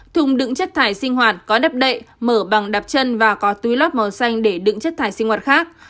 thùng đựng chất thải sinh hoạt có đắp đậy mở bằng đạp chân và có túi lót màu xanh để đựng chất thải sinh hoạt khác